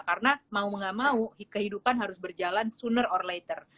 karena mau nggak mau kehidupan harus berjalan sooner or later